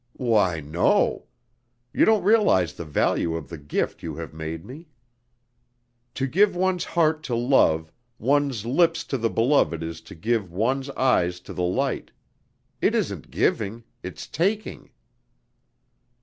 "Why, no. You don't realize the value of the gift you have made me." "To give one's heart to love, one's lips to the beloved is to give one's eyes to the light; it isn't giving, it's taking."